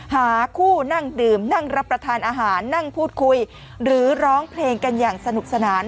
หาคู่นั่งดื่มนั่งรับประทานอาหารนั่งพูดคุยหรือร้องเพลงกันอย่างสนุกสนาน